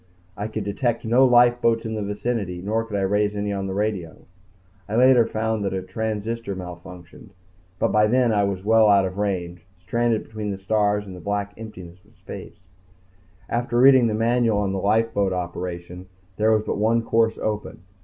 I could detect no lifeboats in the vicinity nor could I raise any on the radio. I later found that a transistor malfunctioned, but by then I was well out of range, stranded between the stars in the black emptiness of space. After reading the manual on lifeboat operation there was but one course open.